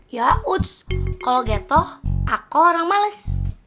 ya uts kalau getoh aku orang males